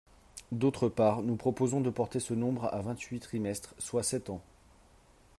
D’autre part, nous proposons de porter ce nombre à vingt-huit trimestres, soit sept ans.